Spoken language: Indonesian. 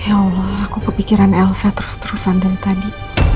ya allah aku kepikiran elsa terus terusan dari tadi